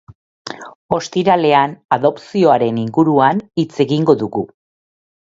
Ostiralean adopzioaren inguruan hitz egingo dugu.